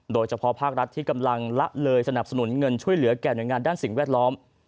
โดยเฉพาะภาครัฐที่กำลังละเลยสนับสนุนเงินช่วยเหลือแก่หน่วยงานด้านสิ่งแวดล้อม